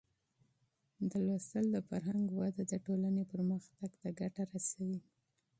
د مطالعې د فرهنګ وده د ټولنې پرمختګ ته ګټه رسوي.